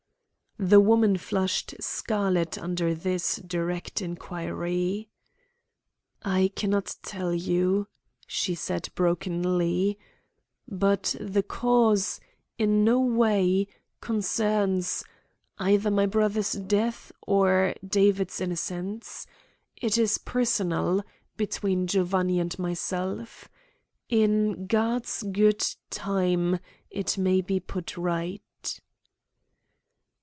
The woman flushed scarlet under this direct inquiry. "I cannot tell you," she said brokenly, "but the cause in no way concerns either my brother's death or David's innocence. It is personal between Giovanni and myself. In God's good time, it may be put right."